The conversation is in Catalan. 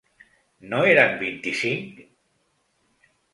No eren vint-i-cinc?